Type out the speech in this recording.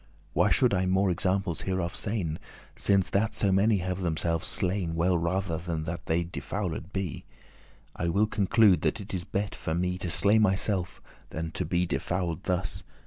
Why should I more examples hereof sayn? Since that so many have themselves slain, Well rather than they would defouled be, I will conclude that it is bet* for me *better To slay myself, than be defouled thus.